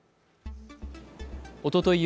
おととい